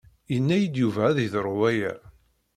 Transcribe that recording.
Yenna-iyi-d Yuba ad yeḍru waya.